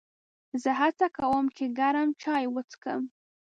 زه هڅه کوم چې ګرم چای وڅښم.